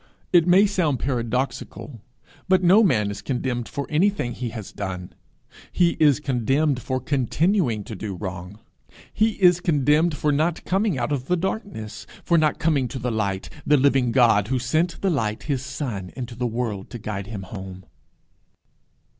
It may sound paradoxical, but no man is condemned for anything he has done; he is condemned for continuing to do wrong. He is condemned for not coming out of the darkness, for not coming to the light, the living God, who sent the light, his son, into the world to guide him home.